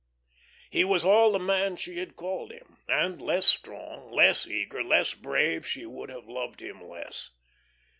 He was all the man she had called him, and less strong, less eager, less brave, she would have loved him less.